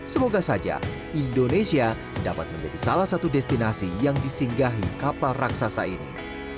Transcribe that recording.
semoga saja indonesia dapat menjadi salah satu destinasi yang disinggahi kapal raksasa ini